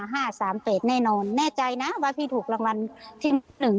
ห้าสามแปดแน่นอนแน่ใจนะว่าพี่ถูกรางวัลที่หนึ่ง